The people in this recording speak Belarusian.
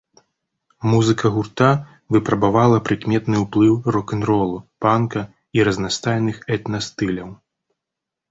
Музыка гурта выпрабавала прыкметны ўплыў рок-н-ролу, панка і разнастайных этна-стыляў.